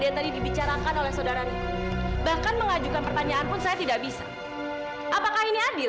yang tadi dibicarakan oleh saudara riku bahkan mengajukan pertanyaan pun saya tidak bisa apakah ini adil